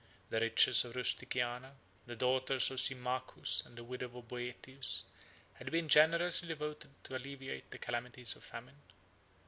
The riches of Rusticiana, the daughter of Symmachus and widow of Boethius, had been generously devoted to alleviate the calamities of famine.